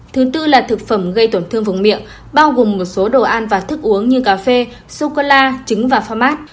thứ tư là thực phẩm gây tổn thương vùng miệng bao gồm một số đồ ăn và thức uống như cà phê sô cô la trứng và format